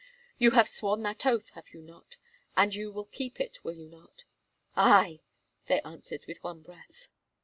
You have sworn that oath, have you not? And you will keep it, will you not?" "Aye!" they answered with one breath.